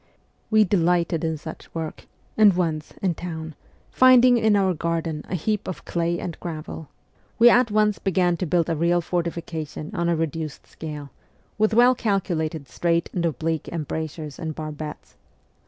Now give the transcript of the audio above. We delightei in such work, and once, in town, find ing in our garden a heap of clay and gravel, we at once began to build a real fortification on a reduced scale, with well calculated straight and oblique embrasures and barbettes.